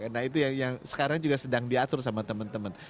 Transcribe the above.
nah itu yang sekarang juga sedang diatur sama teman teman